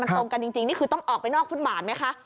ตรงกันจริงนี่คือต้องออกไปนอกฟุตบาทไหมคะ